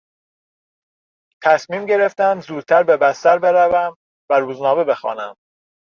تصمیم گرفتم زودتر به بستر بروم و روزنامه بخوانم.